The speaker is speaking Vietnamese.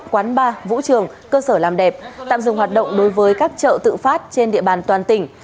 quán bar vũ trường cơ sở làm đẹp tạm dừng hoạt động đối với các chợ tự phát trên địa bàn toàn tỉnh